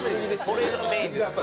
これがメインですから。